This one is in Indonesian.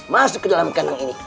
masuk ke dalam kandang ini